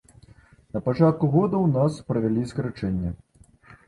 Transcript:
На пачатку года ў нас правялі скарачэнне.